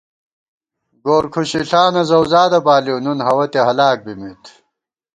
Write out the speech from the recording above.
گورکھُشِݪانہ زَؤزادہ بالِؤ نُن ہوَتے ہَلاک بِمېت